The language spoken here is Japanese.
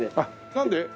なんで？